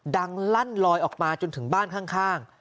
ลั่นลอยออกมาจนถึงบ้านข้าง